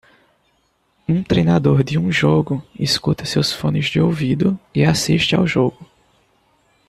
Um treinador de um jogo escuta seus fones de ouvido e assiste ao jogo.